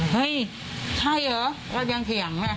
เฮ้ยใช่เหรอเค้ายังเห็น